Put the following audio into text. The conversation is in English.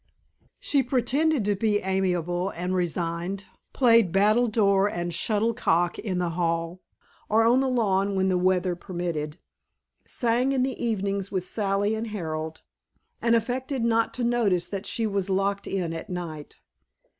She pretended to be amiable and resigned, played battledoor and shuttlecock in the hall, or on the lawn when the weather permitted, sang in the evenings with Sally and Harold, and affected not to notice that she was locked in at night.